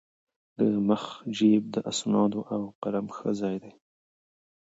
د مخ جېب د اسنادو او قلم ښه ځای دی.